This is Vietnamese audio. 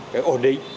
cái ổn định